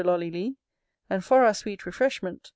And for our sweet refreshment.